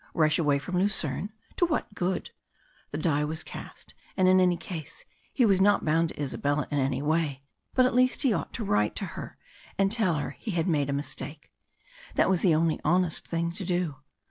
Rush away from Lucerne? To what good? The die was cast, and in any case he was not bound to Isabella in any way. But at least he ought to write to her and tell her he had made a mistake. That was the only honest thing to do.